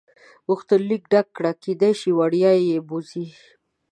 غوښتنلیک ډک کړه کېدای شي وړیا دې بوځي.